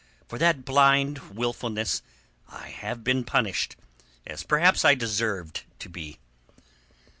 For that blind wilfulness I have been punished, as perhaps I deserved to be."